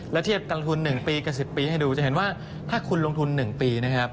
แล้วเทียบการลงทุน๑ปีกับ๑๐ปีให้ดูจะเห็นว่าถ้าคุณลงทุน๑ปีนะครับ